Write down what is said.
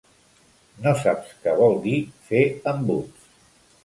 No saps què vol dir fer embuts?